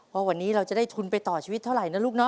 ว่าวันนี้เราจะได้ทุนไปต่อชีวิตเท่าไหร่นะลูกเนาะ